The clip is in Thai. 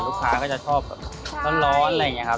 ลูกค้าก็จะชอบแบบร้อนอะไรอย่างนี้ครับ